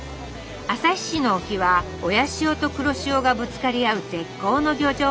旭市の沖は親潮と黒潮がぶつかり合う絶好の漁場。